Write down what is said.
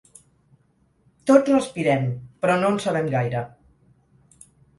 Tots respirem, però no en sabem gaire.